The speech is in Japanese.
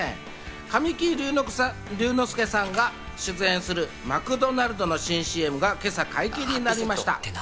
神木隆之介さんが出演するマクドナルドの新ＣＭが今朝、解禁になりました。